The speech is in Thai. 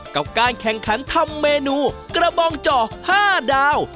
กับการแข่งขันทำเมนูกระบองเจาะ๕ดาว